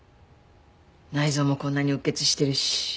内臓もこんなにうっ血してるし。